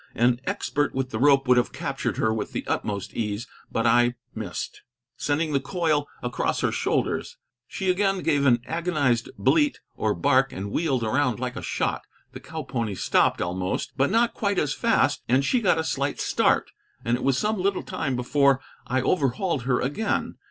An expert with the rope would have captured her with the utmost ease; but I missed, sending the coil across her shoulders. She again gave an agonized bleat, or bark, and wheeled around like a shot. The cow pony stopped almost, but not quite, as fast, and she got a slight start, and it was some little time before I overhauled her again.